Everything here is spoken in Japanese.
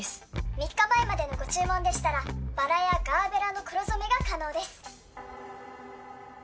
３日前までのご注文でしたらバラやガーベラの黒染めが可能です